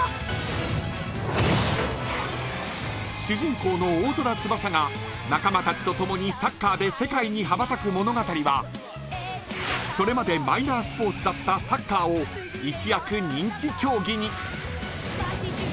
［主人公の大空翼が仲間たちと共にサッカーで世界に羽ばたく物語はそれまでマイナースポーツだったサッカーを一躍人気競技に］